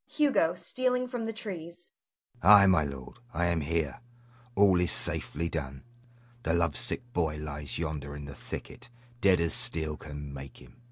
Hugo [stealing from the trees]. Ay, my lord, I am here. All is safely done: the love sick boy lies yonder in the thicket, dead as steel can make him.